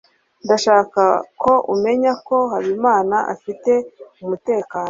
ndashaka ko umenya ko habimana afite umutekano